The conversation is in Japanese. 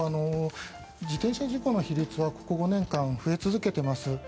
自転車事故の比率はここ５年間、増え続けています。